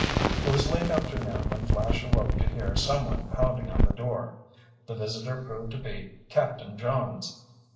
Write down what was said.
It was late afternoon when Flash awoke to hear someone pounding on the door. The visitor proved to be Captain Johns.